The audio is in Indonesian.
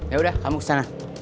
ya udah kamu kesana